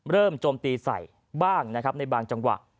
โจมตีใส่บ้างนะครับในบางจังหวะ